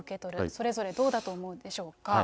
それぞれどうだと思うでしょうか。